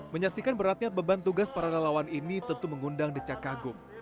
menyaksikan perhatian beban tugas para lelawan ini tentu mengundang decah kagum